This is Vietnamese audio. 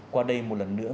qua đây một lần nữa